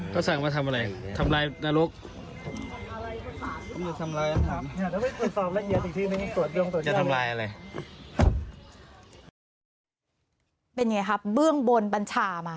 เป็นไงครับเบื้องบนบัญชามา